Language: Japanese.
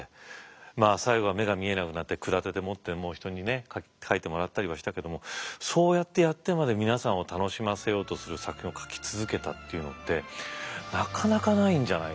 まあ最後は目が見えなくなってくだてでもって人にね書いてもらったりはしたけどもそうやってやってまで皆さんを楽しませようとする作品を書き続けたっていうのってなかなかないんじゃないかな。